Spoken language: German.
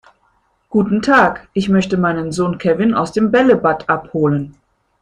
Guten Tag, ich möchte meinen Sohn Kevin aus dem Bällebad abholen.